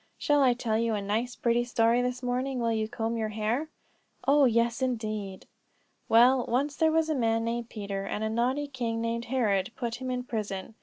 Shall I tell you a nice pretty story this morning, while you comb your hair?" "Oh, yes, indeed." "Well, once there was a man named Peter, and a naughty king named Herod put him in prison.